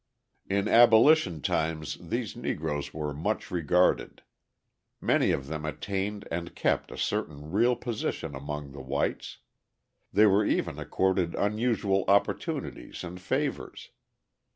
In abolition times these Negroes were much regarded. Many of them attained and kept a certain real position among the whites; they were even accorded unusual opportunities and favours.